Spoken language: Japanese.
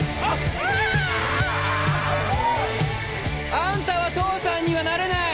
あんたは父さんにはなれない。